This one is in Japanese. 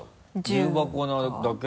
重箱なだけ？